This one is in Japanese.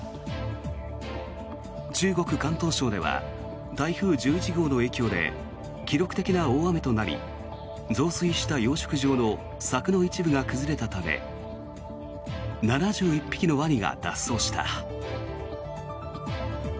中国・広東省では台風１１号の影響で記録的な大雨となり増水した養殖場の柵の一部が崩れたため７１匹のワニが脱走した。